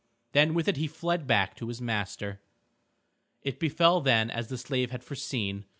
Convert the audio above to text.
Then with it he fled back to his master. It befell then as the slave had foreseen.